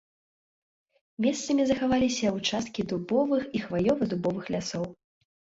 Месцамі захаваліся ўчасткі дубовых і хваёва-дубовых лясоў.